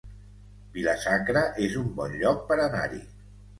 Vila-sacra es un bon lloc per anar-hi